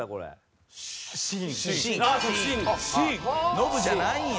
ノブじゃないんや。